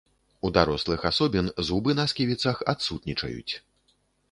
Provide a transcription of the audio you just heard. У дарослых асобін зубы на сківіцах адсутнічаюць.